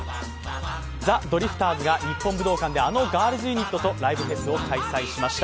ザ・ドリフターズが日本武道館であのガールズユニットとライブフェスを開催しました。